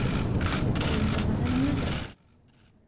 ありがとうございます。